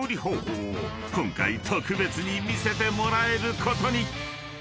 ［今回特別に見せてもらえることに］